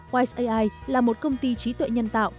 wise ai là một công ty trí tuệ nhân tạo